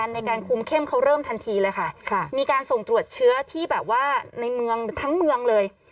ในการคุมเข้มเขาเริ่มทันทีเลยค่ะมีการส่งตรวจเชื้อที่แบบว่าในเมืองทั้งเมืองเลย